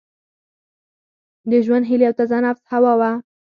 د ژوند هیلي او تازه نفس هوا وه